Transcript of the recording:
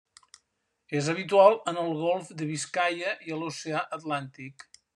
És habitual en el golf de Biscaia i l'oceà Atlàntic.